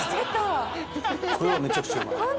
これはめちゃくちゃうまい。